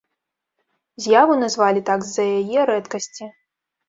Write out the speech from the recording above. З'яву назвалі так з-за яе рэдкасці.